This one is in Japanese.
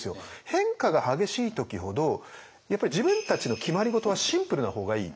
変化が激しい時ほどやっぱり自分たちの決まり事はシンプルな方がいい。